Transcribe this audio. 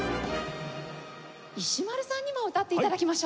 石丸さんにも歌って頂きましょう。